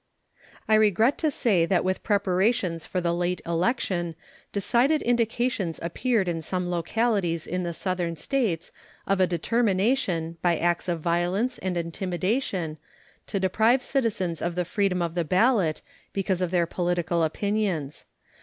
I regret to say that with preparations for the late election decided indications appeared in some localities in the Southern States of a determination, by acts of violence and intimidation, to deprive citizens of the freedom of the ballot because of their political opinions.